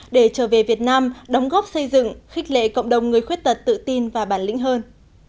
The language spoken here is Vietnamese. để trở về việt nam đóng góp xây dựng khích lệ cộng đồng người khuyết tật tự tin và bản lĩnh hơn